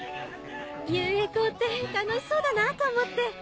雄英校って楽しそうだなと思って。